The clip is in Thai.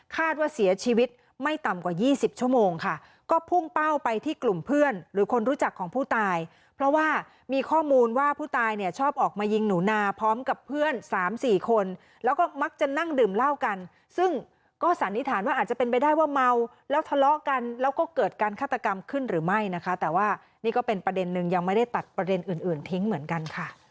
คาดว่าเสียชีวิตไม่ต่ำกว่า๒๐ชั่วโมงค่ะก็พุ่งเป้าไปที่กลุ่มเพื่อนหรือคนรู้จักของผู้ตายเพราะว่ามีข้อมูลว่าผู้ตายเนี่ยชอบออกมายิงหนูนาพร้อมกับเพื่อนสามสี่คนแล้วก็มักจะนั่งดื่มเล่ากันซึ่งก็สันนิษฐานว่าอาจจะเป็นไปได้ว่าเมาแล้วทะเลาะกันแล้วก็เกิดการฆาตกรรมขึ้นหรือไม่นะคะแต่ว่